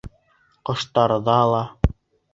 Ҡоштарҙа ла —